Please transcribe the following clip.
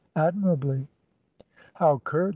"Admirably." "How curt!